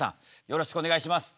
よろしくお願いします。